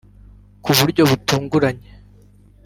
ku buryo butunguranye